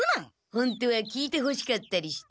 ホントは聞いてほしかったりして。